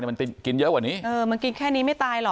มันกินเยอะกว่านี้เออมันกินแค่นี้ไม่ตายหรอก